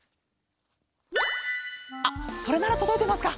あっそれならとどいてますか？